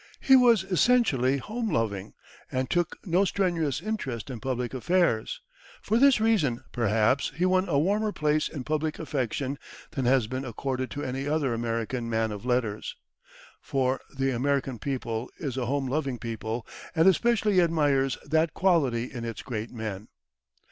He was essentially home loving, and took no strenuous interest in public affairs; for this reason, perhaps, he won a warmer place in public affection than has been accorded to any other American man of letters, for the American people is a home loving people, and especially admires that quality in its great men.